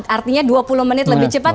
artinya dua puluh menit lebih cepat